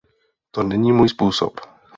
To není můj způsob.